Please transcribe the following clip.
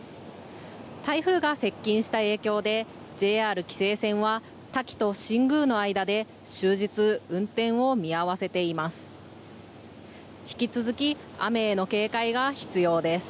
台風が接近した影響でＪＲ紀勢線は多気と新宮の間で終日運転を見合わせています。